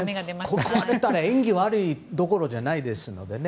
ここまで来たら縁起悪いどころじゃないのでね。